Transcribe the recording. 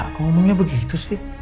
saat kamu ngomongnya begitu sih